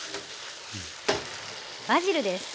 バジルです。